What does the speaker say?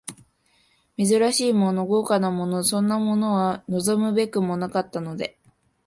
珍しいもの、豪華なもの、そんなものは望むべくもなかったので、